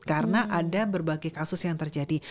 karena ada berbagai kasus yang terjadi